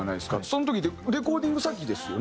その時ってレコーディング先ですよね？